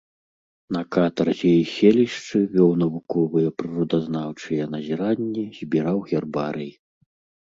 На катарзе і селішчы вёў навуковыя прыродазнаўчыя назіранні, збіраў гербарый.